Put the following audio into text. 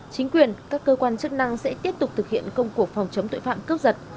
chính quyền các cơ quan chức năng sẽ tiếp tục thực hiện công cuộc phòng chống tội phạm cướp giật